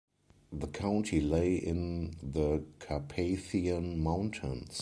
The county lay in the Carpathian Mountains.